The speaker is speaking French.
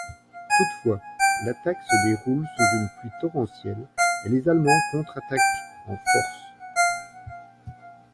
Toutefois, l'attaque se déroule sous une pluie torrentielles et les Allemands contre-attaquent en force.